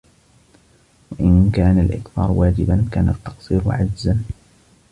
وَإِنْ كَانَ الْإِكْثَارُ وَاجِبًا كَانَ التَّقْصِيرُ عَجْزًا